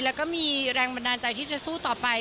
แล้วก็มีแรงบันดาลใจที่จะสู้ต่อไป